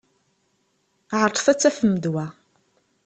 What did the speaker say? Ɛeṛḍet ad tafem ddwa.